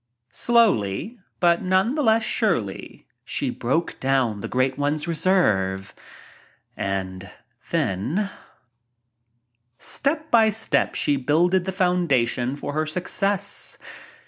Slowly, but none the less surely, she broke down the Great One's reserve, and then Step by step she builded the foundation for her success.